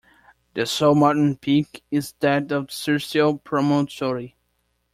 The sole mountain peak is that of Circeo promontory.